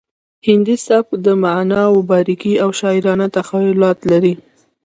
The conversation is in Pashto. هندي سبک د معناوو باریکۍ او شاعرانه تخیلات لري